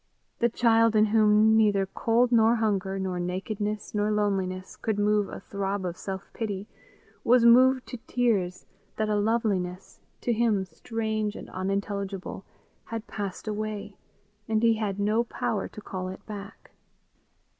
The child in whom neither cold nor hunger nor nakedness nor loneliness could move a throb of self pity, was moved to tears that a loveliness, to him strange and unintelligible, had passed away, and he had no power to call it back.